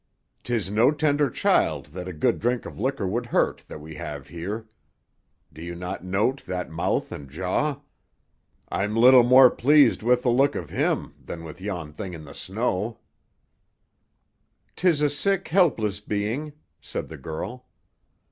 "'Tis no tender child that a good drink of liquor would hurt that we have here. Do you not note that mouth and jaw? I'm little more pleased with the look of him than with yon thing in the snow." "'Tis a sick, helpless being," said the girl.